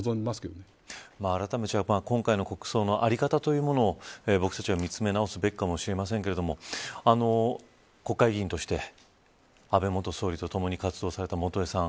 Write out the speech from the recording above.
そのぐらいの危機感を持ってあらためて今回の国葬の在り方というものを僕たちは見つめ直すべきかもしれませんけれど国会議員として安倍元総理と共に活動された元榮さん